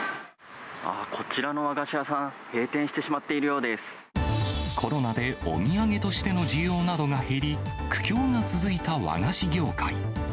ああ、こちらの和菓子屋さん、コロナでお土産としての需要などが減り、苦境が続いた和菓子業界。